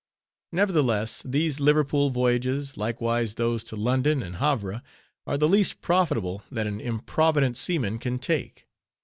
Nevertheless, these Liverpool voyages, likewise those to London and Havre, are the least profitable that an improvident seaman can take.